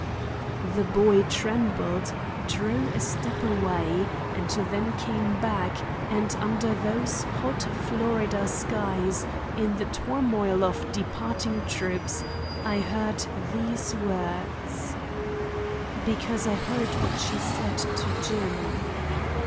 The boy trembled, drew a step away, and then came back, and under those hot Florida skies, in the turmoil of departing troops, I heard these words: "Because I heard what she said to Jim."